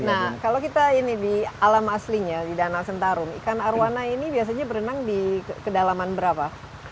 nah kalau kita ini di alam aslinya di danau sentarum ikan arowana ini biasanya berenang di kedalaman berapa